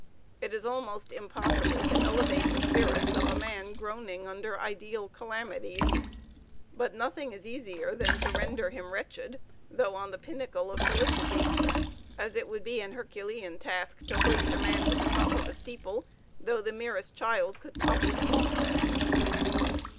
It is almost impossible to elevate the spirits of a man groaning under ideal calamities; but nothing is easier than to render him wretched, though on the pinnacle of felicity: as it would be an herculean task to hoist a man to the top of a steeple, though the merest child could topple him off thence.